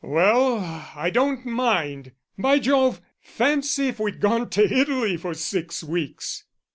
"Well, I don't mind. By Jove, fancy if we'd gone to Italy for six weeks."